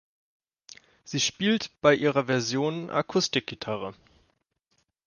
Sie spielt bei ihrer Version Akustikgitarre.